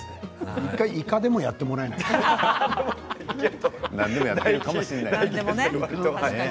１回、いかでもやってもらえないかな。